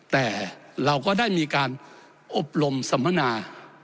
แต่เราก็ได้มีการอบรมสัมมนา